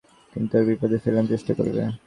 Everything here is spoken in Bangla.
ওরা কিন্তু তোমাকে বিপদে ফেলবার চেষ্টা করবে।